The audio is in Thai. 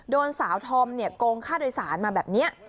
โดนสาวธอมเนี่ยโกงค่าโดยศาลมาแบบเนี้ย